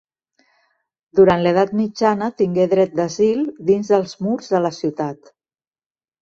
Durant l'Edat Mitjana tingué dret d'asil dins dels murs de la ciutat.